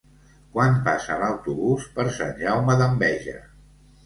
Quan passa l'autobús per Sant Jaume d'Enveja?